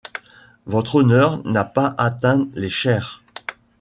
Votre Honneur n’a pas atteint les chairs.